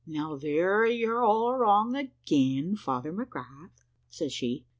"`Now there you're all wrong again, Father McGrath,' says she.